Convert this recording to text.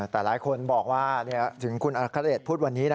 แต่หลายคนบอกว่าถึงคุณอัครเดชพูดวันนี้